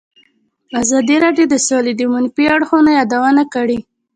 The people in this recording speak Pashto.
ازادي راډیو د سوله د منفي اړخونو یادونه کړې.